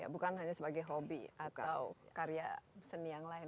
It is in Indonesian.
bukan hanya sebagai hobi atau karya seni yang lain